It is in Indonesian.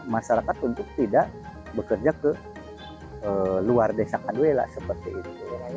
masyarakat untuk tidak bekerja ke luar desa kaduela seperti itu